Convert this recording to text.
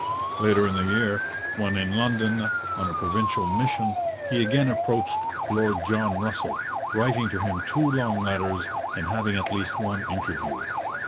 Later in the year, when in London on a provincial mission, he again approached Lord John Russell, writing to him two long letters and having at least one interview.